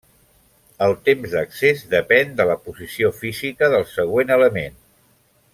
El temps d'accés depèn de la posició física del següent element.